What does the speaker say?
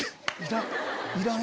いらん！